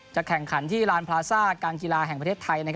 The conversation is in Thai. แข่งขันที่ลานพลาซ่าการกีฬาแห่งประเทศไทย